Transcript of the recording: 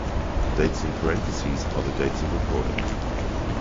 Dates in parentheses are the dates of recording.